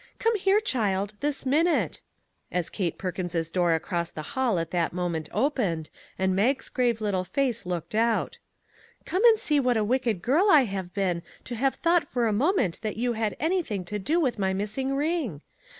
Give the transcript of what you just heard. Come here, child, this min ute !" as Kate Perkins's door across the hall at that moment opened and Mag's grave little face looked out ;" come and see what a wicked girl I have been to have thought for a moment that you had anything to do with my missing ring.